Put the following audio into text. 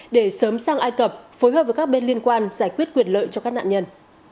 để sớm sang ai cập phối hợp với các bên liên quan giải quyết quyền lợi cho các nạn nhân